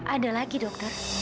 ada lagi dokter